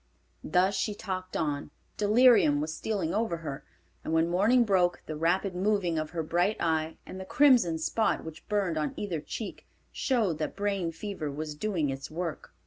Thus she talked on. Delirium was stealing over her, and when morning broke, the rapid moving of her bright eye, and the crimson spot which burned on either cheek, showed that brain fever was doing its work.